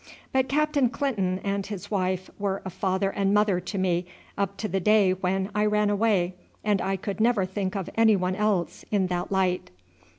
But Captain Clinton and his wife were a father and mother to me up to the day when I ran away, and I could never think of anyone else in that light."